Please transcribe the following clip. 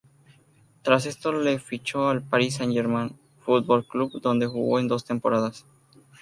Tras esto le fichó el París Saint-Germain Football Club, donde jugó en dos temporadas.